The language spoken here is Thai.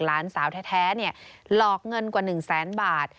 ล้านสาวแท้หลอกเงินกว่าหนึ่งแสนบาท